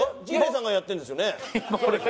陣内さんがやってるんですよね？